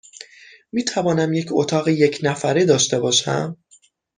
می توانم یک اتاق یک نفره داشته باشم؟